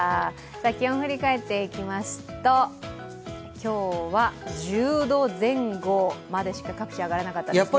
気温振り返っていきますと今日は１０度前後までしか各地、上がらなかったんですね。